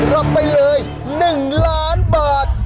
รับไปเลย๑ล้านบาท